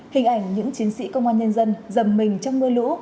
hình ảnh những chiến sĩ công an nhân dân dầm mình trong mưa lũ